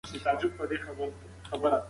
عثمان غني په ډیر حیا او تقوا سره مشهور و.